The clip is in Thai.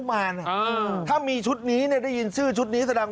หาวหาวหาวหาวหาวหาวหาวหาวหาวหาว